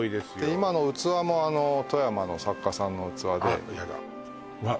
今の器も富山の作家さんの器であっヤダうわ